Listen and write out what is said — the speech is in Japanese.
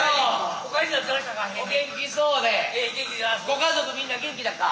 ご家族みんな元気だっか？